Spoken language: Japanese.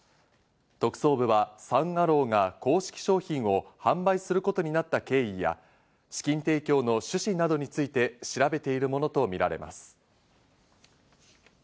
特捜部はサン・アローが公式商品を販売することになった経緯や、資金提供の趣旨などについて調べているものとみられます。